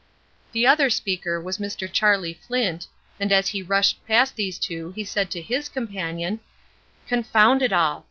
The other speaker was Mr. Charlie Flint, and as he rushed past these two he said to his companion, "Confound it all!